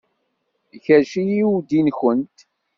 Ikerrec-iyi uydi-nwent.